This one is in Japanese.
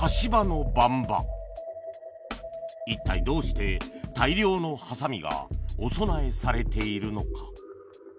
一体どうして大量のハサミがお供えされているのか